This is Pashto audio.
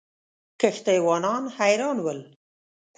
کښتۍ وانان حیران ول.